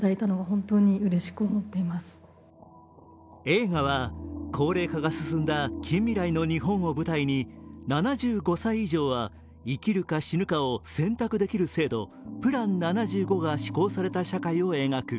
映画は高齢化が進んだ近未来の日本を舞台に７５歳以上は生きるか死ぬかを選択できる制度、プラン７５が施行された社会を描く。